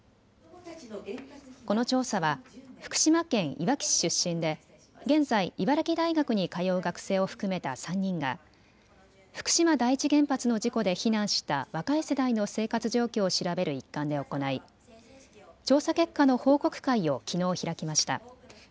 この調査は福島県いわき市出身で現在、茨城大学に通う学生を含めた３人が福島第一原発の事故で避難した若い世代の生活状況を調べる一環で行い調査結果の報告会をきのう開きました。